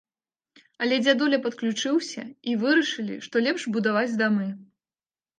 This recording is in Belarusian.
Але дзядуля падключыўся, і вырашылі, што лепш будаваць дамы.